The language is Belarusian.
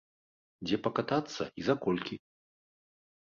Дзе пакатацца і за колькі?